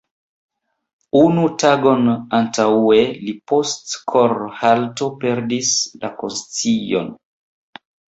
Unu tagon antaŭe li post kor-halto perdis la konscion.